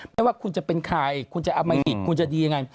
ไม่ว่าคุณจะเป็นใครคุณจะอมหิตคุณจะดียังไง